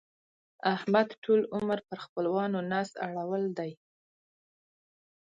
احمد ټول عمر پر خپلوانو نس اړول دی.